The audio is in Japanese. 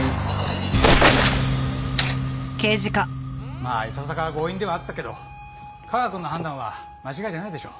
まあいささか強引ではあったけど架川くんの判断は間違いじゃないでしょう。